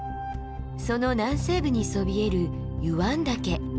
その南西部にそびえる湯湾岳。